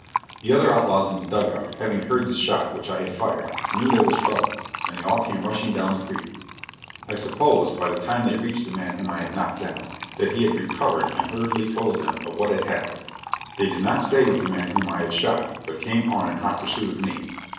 The other outlaws in the dug out, having heard the shot which I had fired, knew there was trouble, and they all came rushing down the creek. I suppose, by the time they reached the man whom I had knocked down, that he had recovered and hurriedly told them of what had happened. They did not stay with the man whom I had shot, but came on in hot pursuit of me.